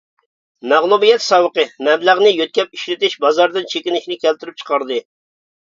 مەغلۇبىيەت ساۋىقى: مەبلەغنى يۆتكەپ ئىشلىتىش بازاردىن چېكىنىشنى كەلتۈرۈپ چىقاردى.